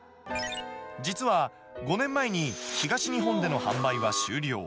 実は、５年前に東日本での販売は終了。